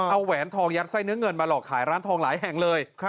เอาแหวนทองยัดไส้เนื้อเงินมาหลอกขายร้านทองหลายแห่งเลย